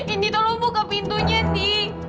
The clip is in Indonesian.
indi tolong buka pintunya di